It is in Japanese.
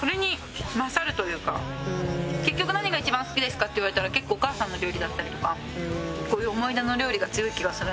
結局何が一番好きですかって言われたら結構お母さんの料理だったりとかこういう思い出の料理が強い気がするんですよね。